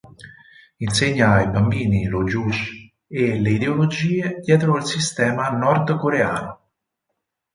Insegna ai bambini lo "Juche" e le ideologie dietro il sistema nordcoreano.